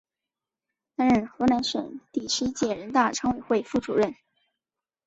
担任河南省第十一届人大常委会副主任。